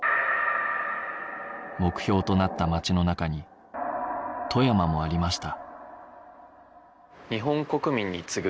目標となった街の中に富山もありました